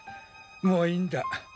もういいんだ。